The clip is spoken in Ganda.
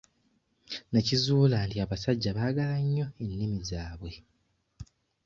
Nnakizuula nti abasajja baagala nnyo ennimi zaabwe.